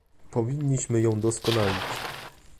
Powinniśmy ją doskonalić